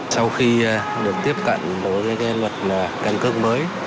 sau khi được tiếp cận đối với luật căn cước mới